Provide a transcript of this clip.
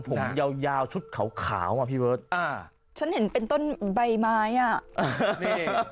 ผมยาวยาวชุดขาวขาวอ่ะพี่เบิร์ตอ่าฉันเห็นเป็นต้นใบไม้อ่ะอ่านี่